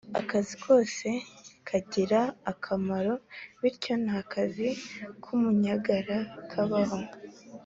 Akazi kose kagira akamaro bityo nta kazi kumunyagara kabaho